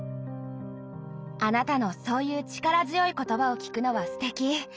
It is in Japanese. あなたのそういう力強い言葉を聞くのはすてき。